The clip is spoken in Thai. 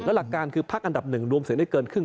หลักการคือพักอันดับหนึ่งรวมเสียงได้เกินครึ่ง